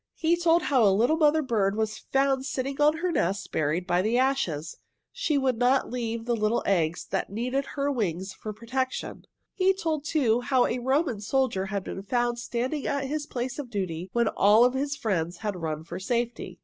He told how a little mother bird was found sitting on her nest, buried by the ashes. She would not leave the little eggs that needed her wings for protection. He told, too, how a Roman soldier had been found standing at his place of duty when all his friends had run for safety.